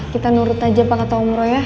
kita nurut aja pak kata om roy ya